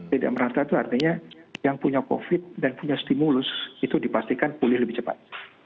tidak merata itu artinya yang punya covid dan punya stimulus itu dipastikan pulih lebih cepat